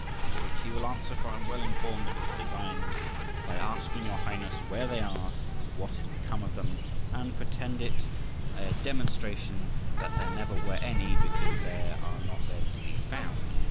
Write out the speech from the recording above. To which he will answer—for I am well informed of his designs—by asking your Highness where they are, and what is become of them? and pretend it a demonstration that there never were any, because they are not then to be found.